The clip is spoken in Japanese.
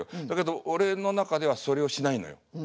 だけど俺の中ではそれをしないのよ。